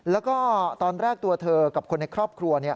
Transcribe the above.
แล้วก็ตอนแรกตัวเธอกับคนในครอบครัว